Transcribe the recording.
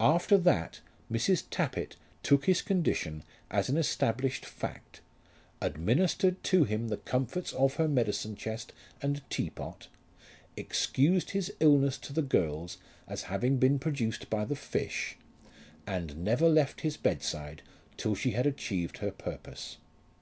After that Mrs. Tappitt took his condition as an established fact, administered to him the comforts of her medicine chest and teapot, excused his illness to the girls as having been produced by the fish, and never left his bedside till she had achieved her purpose.